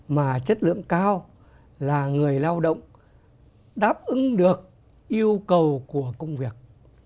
mà chất lượng cao là người lao động đáp ứng được yêu cầu của công việc